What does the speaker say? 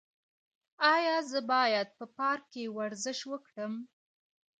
ایا زه باید په پارک کې ورزش وکړم؟